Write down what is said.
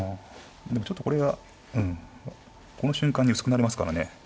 でもちょっとこれがうんこの瞬間に薄くなりますからね。